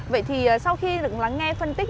vậy thì sau khi được lắng nghe phân tích